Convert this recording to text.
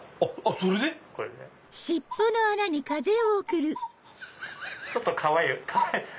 それで⁉ちょっとかわいい。